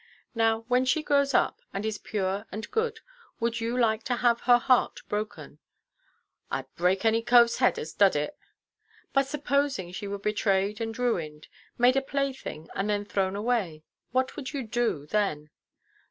"Now, when she grows up, and is pure and good, would you like to have her heart broken?" "Iʼd break any coveʼs head as doed it." "But supposing she were betrayed and ruined, made a plaything, and then thrown away—what would you do then?"